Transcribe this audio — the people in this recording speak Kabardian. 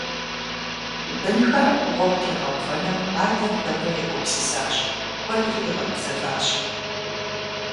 Бынхэр гъуэгу тегъэувэным адэр куэдрэ егупсысащ, куэдри игъэгузэващ.